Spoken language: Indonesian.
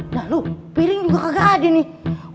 lalu piring juga kagak ada nih